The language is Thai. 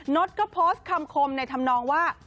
โน๊ตก็โพสต์คำคมในทำนองว่า